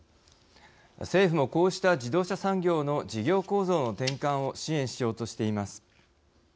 政府もこうした自動車産業の事業構造の転換を支援しようとしています。